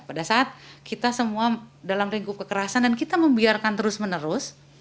pada saat kita semua dalam ringkup kekerasan dan kita membiarkan terus menerus